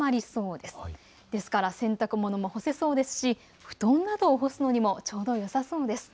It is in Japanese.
ですから洗濯物も干せそうですし布団などを干すのにもちょうどよさそうです。